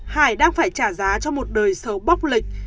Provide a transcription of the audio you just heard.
hải đang phải trả giá cho một đời sầu bốc lịch